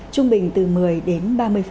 trung bình từ một mươi đến ba mươi